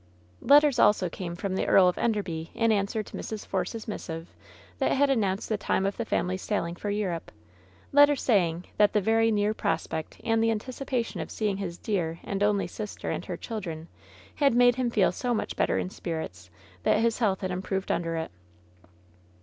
Letters also came from the Earl of Enderby in answer to Mrs. Force's missive that had announced the time of the family's sailing for Europe — letters saying that the very near prospect and the anticipation of seeing his dear and only sister and her children had made him feel LOVERS BITTEREST CUP 169 so much better in spirits that his health had improved under it.